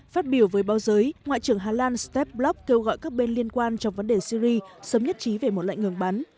phát biểu với báo giới ngoại trưởng hà lan step block kêu gọi các bên liên quan trong vấn đề syri sớm nhất trí về một lệnh ngừng bắn